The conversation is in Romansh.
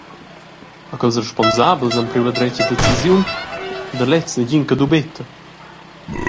E ch’ils responsabels han priu la dretga decisiun, da gliez negin che dubeta.